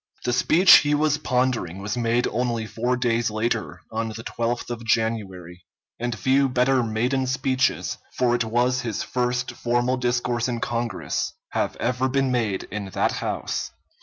The speech he was pondering was made only four days later, on the 12th of January, and few better maiden speeches for it was his first formal discourse in Congress have ever been made in that House.